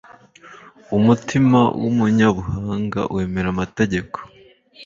Umutima w’umunyabuhanga wemera amategeko